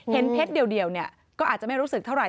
เพชรเดียวก็อาจจะไม่รู้สึกเท่าไห